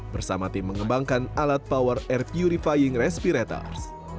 bersama tim mengembangkan alat power air purifying respirators